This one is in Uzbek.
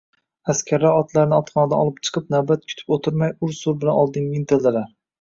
Askarlar otlarini otxonadan olib chiqib, navbat kutib o`tirmay ur-sur bilan oldinga intildilar